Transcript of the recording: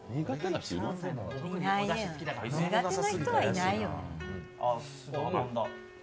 苦手な人はいないよ。